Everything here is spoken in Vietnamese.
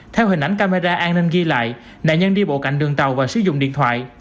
theo hình ảnh camera an ninh ghi lại nạn nhân đi bộ cạnh đường tàu và sử dụng điện thoại